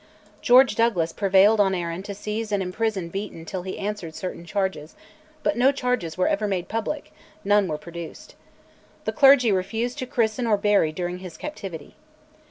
George Douglas prevailed on Arran to seize and imprison Beaton till he answered certain charges; but no charges were ever made public, none were produced. The clergy refused to christen or bury during his captivity.